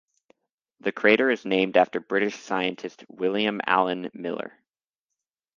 The crater is named after British scientist William Allen Miller.